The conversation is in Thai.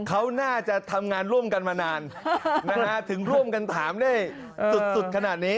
เขาน่าจะทำงานร่วมกันมานานถึงร่วมกันถามได้สุดขนาดนี้